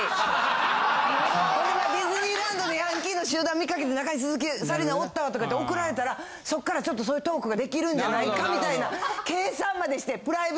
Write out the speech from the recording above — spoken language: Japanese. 「ディズニーランドのヤンキーの集団見かけて中に鈴木紗理奈おったわ」とかって送られたらそっからちょっとそういうトークが出来るんじゃないかみたいな計算までして。